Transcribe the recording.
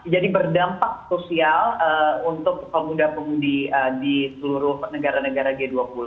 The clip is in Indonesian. jadi berdampak sosial untuk pemuda pemudi di seluruh negara negara g dua puluh